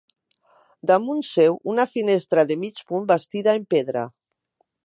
Damunt seu, una finestra de mig punt bastida en pedra.